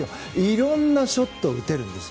いろんなショットを打てるんです。